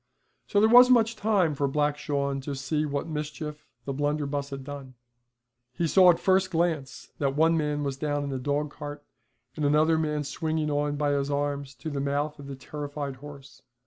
So there wasn't much time for Black Shawn to see what mischief the blunderbuss had done. He saw at the first glance that one man was down in the dogcart, and another man swinging on by his arms to the mouth of the terrified horse.